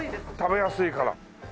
食べやすいから。